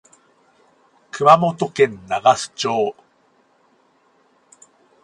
熊本県長洲町